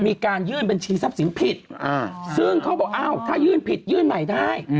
มีการยื่นบัญชีทรัพย์สินผิดซึ่งเขาบอกอ้าวถ้ายื่นผิดยื่นใหม่ได้